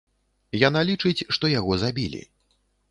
Яна лічыць, што яго забілі.